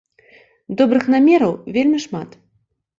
Добрых намераў вельмі шмат.